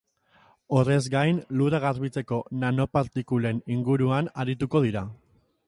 Horrez gain, lurra garbitzeko nanopartikulen inguruan arituko dira.